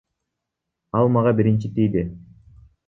Ал мага биринчи тийди.